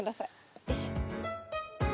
よいしょ。